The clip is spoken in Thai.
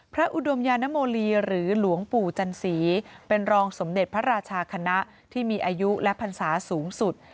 อุดมยานโมลีหรือหลวงปู่จันสีเป็นรองสมเด็จพระราชาคณะที่มีอายุและพรรษาสูงสุด